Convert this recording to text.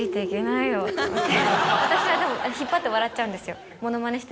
私はでも引っ張って笑っちゃうんですよ。